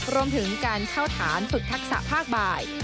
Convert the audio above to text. รวมถึงการเข้าฐานฝึกทักษะภาคบ่าย